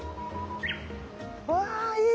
うわぁいい。